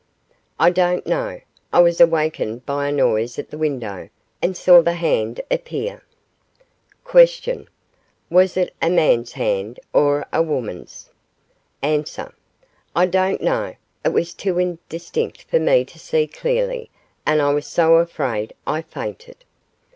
I don't know. I was awakened by a noise at the window, and saw the hand appear. Q. Was it a man's hand or a woman's? A. I don't know. It was too indistinct for me to see clearly; and I was so afraid, I fainted.